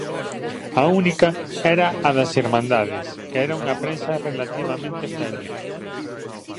A única era a das Irmandades, que era unha prensa relativamente feble.